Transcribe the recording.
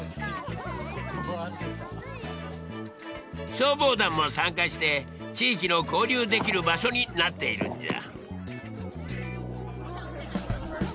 消防団も参加して地域の交流できる場所になっているんじゃ。